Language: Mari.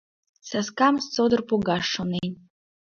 Саскам содор погаш шонен.